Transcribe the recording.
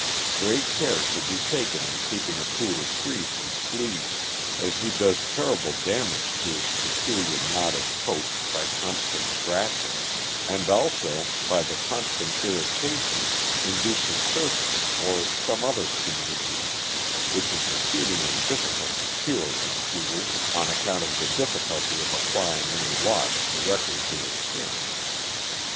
Great care should be taken in keeping a Poodle free from fleas, as he does terrible damage to his peculiar knotted coat by constant scratching, and also by the con stant irritation induces surfeit or some other skin disease, which is exceedingly difficult to cure in a Poodle, on account of the difficulty of applying any wash directly to the skin.